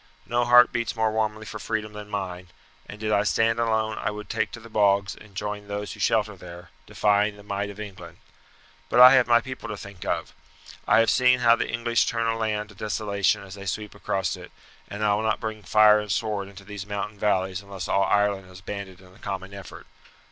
No heart beats more warmly for freedom than mine; and did I stand alone I would take to the bogs and join those who shelter there, defying the might of England. But I have my people to think of. I have seen how the English turn a land to desolation as they sweep across it, and I will not bring fire and sword into these mountain valleys unless all Ireland is banded in a common effort.